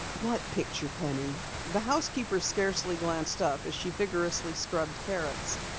"What picture, Penny?" The housekeeper scarcely glanced up as she vigorously scrubbed carrots.